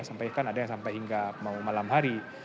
sampai kan ada yang sampai hingga mau malam hari